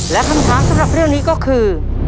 และคำถามสำหรับเรื่องนี้ก็คือ